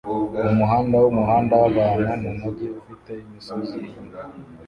Umuhanda wumuhanda wabantu mumujyi ufite imisozi inyuma